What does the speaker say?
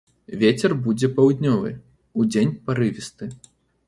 Вецер будзе паўднёвы, удзень парывісты.